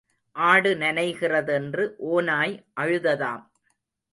ஆடு நனைகிறதென்று ஓநாய் அழுததாம்.